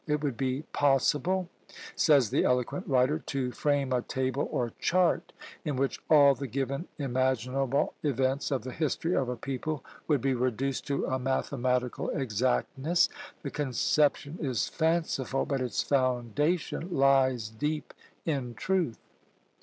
"It would be possible," says the eloquent writer, "to frame a table or chart in which all the given imaginable events of the history of a people would be reduced to a mathematical exactness." The conception is fanciful, but its foundation lies deep in truth.